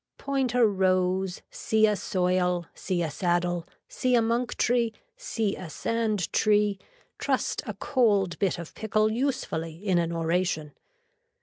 Point a rose, see a soil, see a saddle, see a monk tree, see a sand tree, trust a cold bit of pickle usefully in an oration.